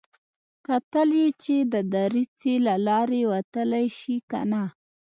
کتل يې چې د دريڅې له لارې وتلی شي که نه.